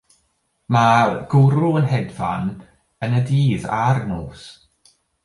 Mae'r gwryw yn hedfan yn y dydd a'r nos.